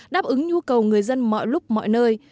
đáp ứng nhu cầu người dân mọi lúc mọi nơi